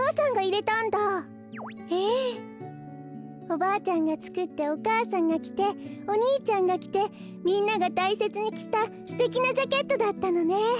おばあちゃんがつくってお母さんがきてお兄ちゃんがきてみんながたいせつにきたすてきなジャケットだったのね。